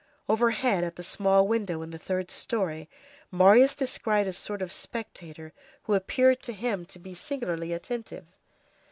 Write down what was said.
Overhead, at the small window in the third story Marius descried a sort of spectator who appeared to him to be singularly attentive.